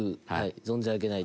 存じ上げないです。